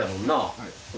はい。